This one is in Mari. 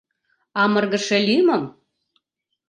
Амыргыше лӱмым?..